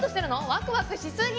ワクワクしすぎ！